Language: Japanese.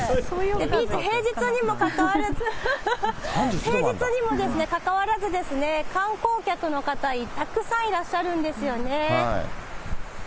ビーチ、平日にもかかわらず、平日にもかかわらずですね、観光客の方、たくさんいらっしゃるんですよね。